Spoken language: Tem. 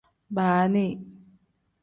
Baani.